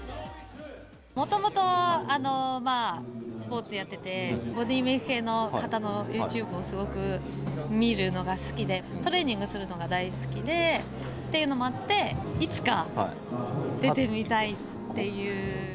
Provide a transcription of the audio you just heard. もともとスポーツやってて、ボディメイク系の方のユーチューブをすごく見るのが好きで、トレーニングするのが大好きでっていうのもあって、いつか出てみたいっていう。